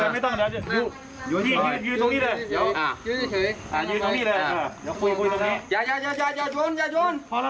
ไม่ใช่ละ